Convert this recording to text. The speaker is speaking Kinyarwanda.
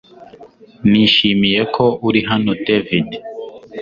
Nishimiye ko uri hano David